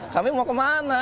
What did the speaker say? kami mau kemana